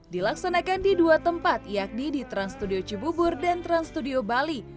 dilaksanakan di dua tempat yakni di trans studio cibubur dan trans studio bali